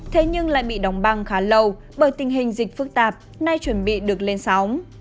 thế nhưng lại bị đóng băng khá lâu bởi tình hình dịch phức tạp nay chuẩn bị được lên sóng